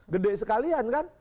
gede sekalian kan